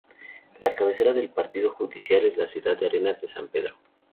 La cabecera del partido judicial es la ciudad de Arenas de San Pedro.